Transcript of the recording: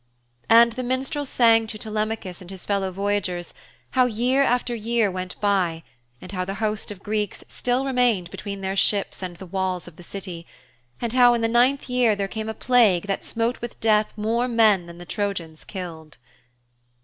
And the minstrel sang to Telemachus and his fellow voyagers how year after year went by, and how the host of Greeks still remained between their ships and the walls of the City, and how in the ninth year there came a plague that smote with death more men than the Trojans killed.